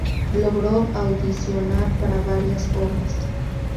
Logró audicionar para varias obras.